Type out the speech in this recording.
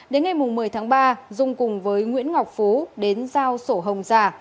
đến ngày một mươi tháng ba dung cùng với nguyễn ngọc phú đến giao sổ hồng giả